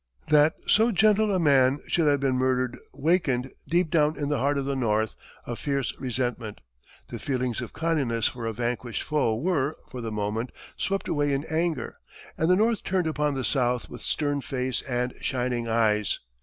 That so gentle a man should have been murdered wakened, deep down in the heart of the North, a fierce resentment; the feelings of kindliness for a vanquished foe were, for the moment, swept away in anger; and the North turned upon the South with stern face and shining eyes.